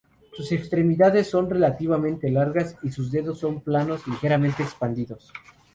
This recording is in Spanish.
Sus extremidades son relativamente largas y sus dedos son planos y ligeramente expandidos.